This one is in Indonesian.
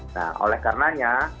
nah oleh karenanya